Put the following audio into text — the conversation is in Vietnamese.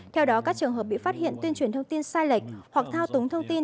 theo đó các trường hợp bị phát hiện tuyên truyền thông tin sai lệch hoặc thao túng thông tin